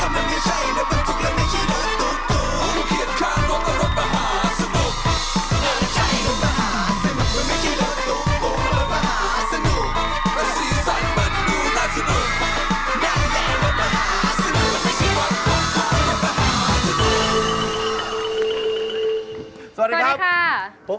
นั่นแหละรถมหาสนุกมันไม่ใช่รถตุ๊กตุ๊ก